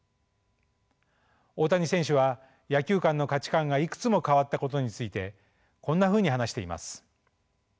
大谷選手は野球界の価値観がいくつも変わったことについてこんなふうに話しています。